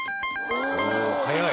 早い。